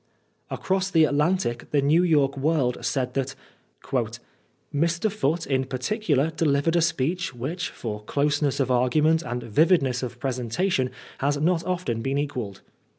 '' Across the Atlantic, the New York World said that " Mr. Foote, in particular, delivered a speech which, for closeness of argument and vividness of presentation, has not often been equalled."